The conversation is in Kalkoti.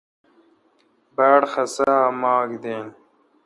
باڑ خسا اے ماک دین۔